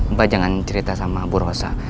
mbak jangan cerita sama bu rosa